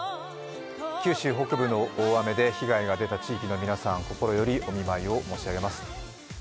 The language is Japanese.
九州北部の大雨で被害の出た地域の皆さん、心よりお見舞いを申し上げます。